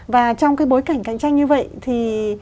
và trong cái bối cảnh cạnh tranh như vậy thì